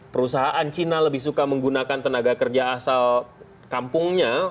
perusahaan cina lebih suka menggunakan tenaga kerja asal kampungnya